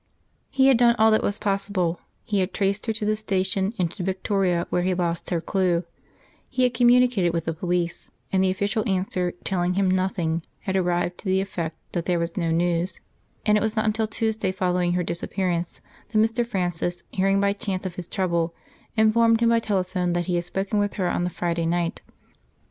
He had done all that was possible: he had traced her to the station and to Victoria, where he lost her clue; he had communicated with the police, and the official answer, telling him nothing, had arrived to the effect that there was no news: and it was not until the Tuesday following her disappearance that Mr. Francis, hearing by chance of his trouble, informed him by telephone that he had spoken with her on the Friday night.